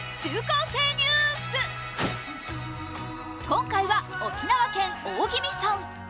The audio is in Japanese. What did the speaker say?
今回は沖縄県大宜味村。